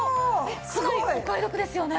かなりお買い得ですよね？